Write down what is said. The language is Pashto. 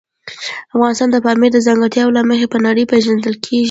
افغانستان د پامیر د ځانګړتیاوو له مخې په نړۍ پېژندل کېږي.